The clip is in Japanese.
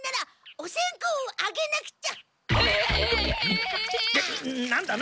お線香を用意しなくちゃ。